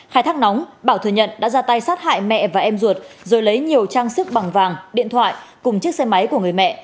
khai thác nóng bảo thừa nhận đã ra tay sát hại mẹ và em ruột rồi lấy nhiều trang sức bằng vàng điện thoại cùng chiếc xe máy của người mẹ